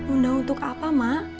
undang untuk apa mak